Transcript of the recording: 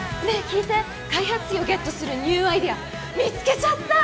聞いて開発費をゲットするニューアイデア見つけちゃった！